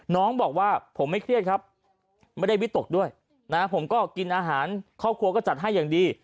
น้องบอกว่าผมไม่เครียดครับไม่ได้วิตกด้วยนะผมก็กินอาหารครอบครัวก็จัดให้อย่างดี